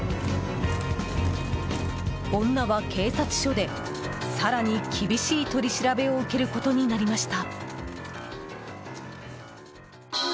女は、警察署で更に厳しい取り調べを受けることになりました。